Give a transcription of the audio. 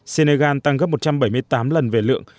senegal tăng gấp một trăm bảy mươi tám lần về lượng